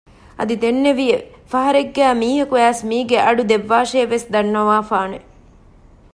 އަދި ދެންނެވިއެވެ ފަހަރެއްގައި މީހަކު އައިސް މީގެ އަގު ދެއްވާށޭ ވެސް ދަންނަވާފާނެ